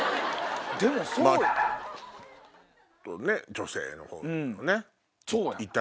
女性の方のね。